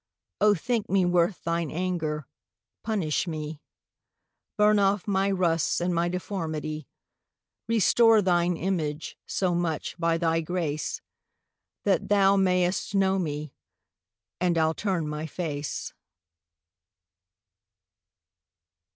O thinke mee worth thine anger, punish mee. Burne off my rusts, and my deformity, Restore thine Image, so much, by thy grace, That thou may'st know mee, and I'll turne my face.